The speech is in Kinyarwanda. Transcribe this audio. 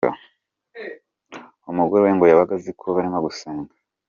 Umugore we ngo yabaga aziko barimo gusenga.